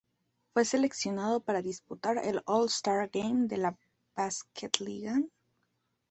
Fue seleccionado para disputar el All-Star Game de la Basketligan.